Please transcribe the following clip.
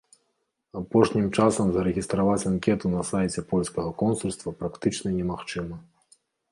Апошнім часам зарэгістраваць анкету на сайце польскага консульства практычна немагчыма.